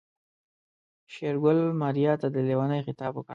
شېرګل ماريا ته د ليونۍ خطاب وکړ.